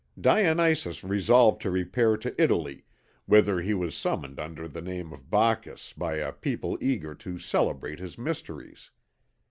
"Dionysus resolved to repair to Italy, whither he was summoned under the name of Bacchus by a people eager to celebrate his mysteries.